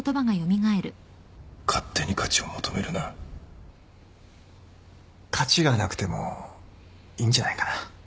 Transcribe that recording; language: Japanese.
勝手に価値を求めるな価値がなくてもいいんじゃないかな？